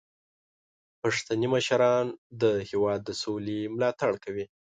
پښتني مشران د هیواد د سولې ملاتړ کوي.